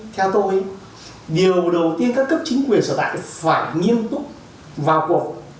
theo tôi điều đầu tiên các cấp chính quyền sở tại phải nghiêm túc vào cuộc